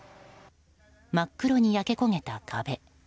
真っ黒に焼け焦げた壁。